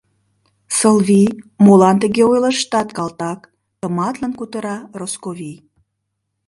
— Сылвий, молан тыге ойлыштат, калтак? — тыматлын кутыра Росковий.